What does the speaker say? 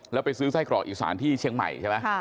แล้วไปซื้อไส้กรอกอีสานที่เชียงใหม่ใช่ไหม